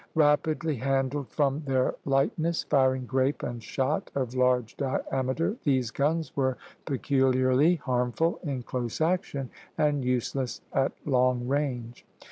Rapidly handled from their lightness, firing grape and shot of large diameter, these guns were peculiarly harmful in close action and useless at long range.